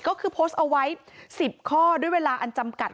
ก็คือโพสต์เอาไว้๑๐ข้อด้วยเวลาอันจำกัด